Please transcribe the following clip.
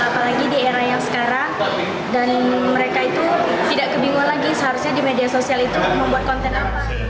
apalagi di era yang sekarang dan mereka itu tidak kebingungan lagi seharusnya di media sosial itu membuat konten apa